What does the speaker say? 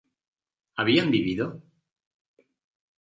¿habían vivido?